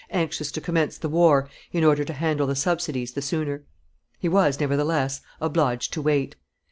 anxious to commence the war in order to handle the subsidies the sooner; he was, nevertheless, obliged to wait.